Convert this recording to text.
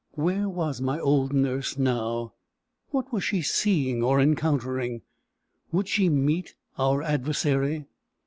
Where was my old nurse now? What was she seeing or encountering? Would she meet our adversary?